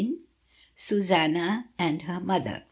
SUSANNA AND HER MOTEIER.